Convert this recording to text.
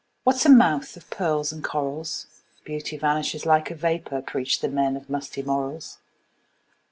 What 's a mouth of pearls and corals? Beauty vanishes like a vapor, Preach the men of musty morals!